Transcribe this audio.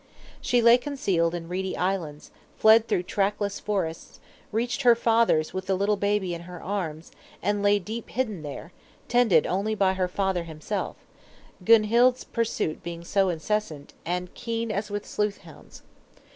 She lay concealed in reedy islands, fled through trackless forests; reached her father's with the little baby in her arms, and lay deep hidden there, tended only by her father himself; Gunhild's pursuit being so incessant, and keen as with sleuth hounds.